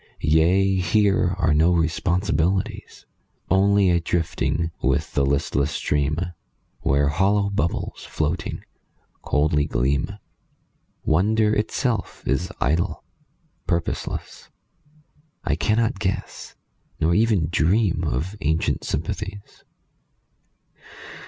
Yea, here are no responsibilities. Only a drifting with the listless stream Where hollow bubbles, floating, coldly gleam. Wonder itself is idle, purposeless; I cannot guess Nor even dream of ancient sympathies.